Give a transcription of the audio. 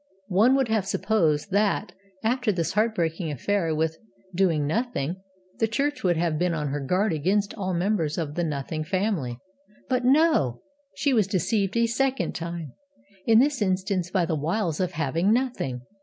One would have supposed that, after this heart breaking affair with Doing Nothing, the Church would have been on her guard against all members of the Nothing family. But no! she was deceived a second time in this instance by the wiles of Having Nothing.